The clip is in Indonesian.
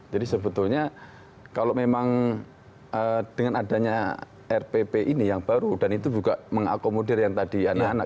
jadi sebetulnya kalau memang dengan adanya rpp ini yang baru dan itu juga mengakomodir yang tadi anak anak